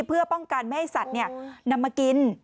เพื่อป้องกันไม่ให้สัตว์นำมากิน